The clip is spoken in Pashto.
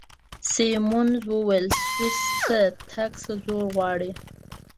سیمونز وویل: سویس ته تګ څه زور غواړي؟